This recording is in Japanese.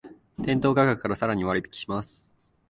店頭価格からさらに割引します